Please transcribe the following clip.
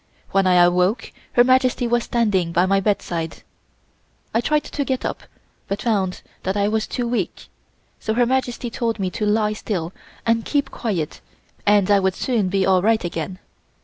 When I awoke, Her Majesty was standing by my bedside. I tried to get up, but found that I was too weak, so Her Majesty told me to lie still and keep quiet and I would soon be all right again.